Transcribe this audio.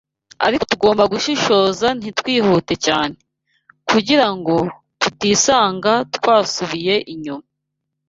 Ariko tugomba gushishoza ntitwihute cyane, kugira ngo tutisanga twasubiye inyuma